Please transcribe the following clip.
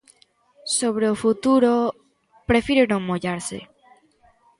Sobre o futuro, prefire non mollarse.